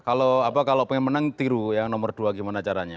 kalau apa kalau pengen menang tiru ya nomor dua gimana caranya